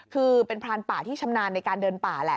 คือเป็นพรานป่าที่ชำนาญในการเดินป่าแหละ